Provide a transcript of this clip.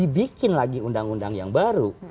dibikin lagi undang undang yang baru